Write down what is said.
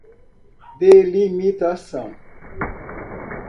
delimitação